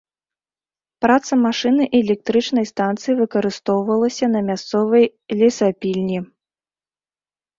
Праца машыны электрычнай станцыі выкарыстоўвалася на мясцовай лесапільні.